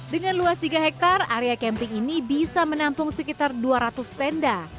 dengan luas tiga hektare area camping ini bisa menampung sekitar dua ratus tenda